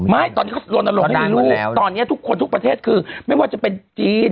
ไม่ตอนนี้เขาลนลงให้มีลูกตอนนี้ทุกคนทุกประเทศคือไม่ว่าจะเป็นจีน